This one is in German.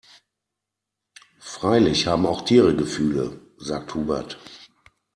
Freilich haben auch Tiere Gefühle, sagt Hubert.